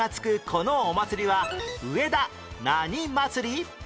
このお祭りは上田何まつり？